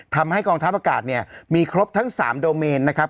ทำให้กองทัพอากาศเนี่ยมีครบทั้ง๓โดเมนนะครับ